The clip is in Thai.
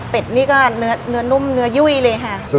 แล้วก็เป็ดนี้ก็เนื้อนุ่มเนื้อยุ้ยเลยค่ะ